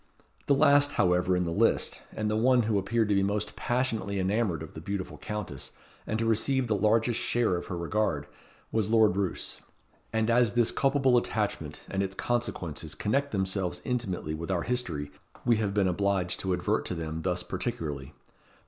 The last, however, in the list, and the one who appeared to be most passionately enamoured of the beautiful Countess, and to receive the largest share of her regard, was Lord Roos; and as this culpable attachment and its consequences connect themselves intimately with our history we have been obliged to advert to them thus particularly.